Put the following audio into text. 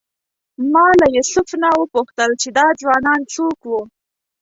ما له یوسف نه وپوښتل چې دا ځوانان څوک وو.